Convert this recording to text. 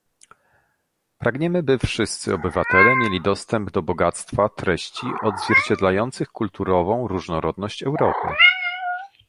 Pragniemy, by wszyscy obywatele mieli dostęp do bogactwa treści odzwierciedlających kulturową różnorodność Europy